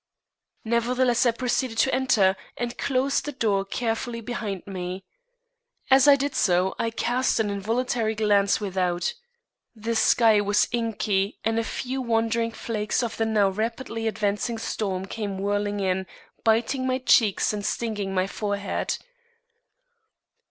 Nevertheless I proceeded to enter and close the door carefully behind me. As I did so, I cast an involuntary glance without. The sky was inky and a few wandering flakes of the now rapidly advancing storm came whirling in, biting my cheeks and stinging my forehead.